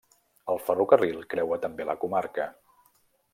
El ferrocarril creua també la comarca.